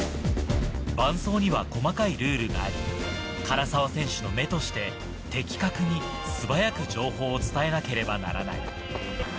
伴走には細かいルールがあり、唐澤選手の目として的確に、素早く、情報を伝えなければならない。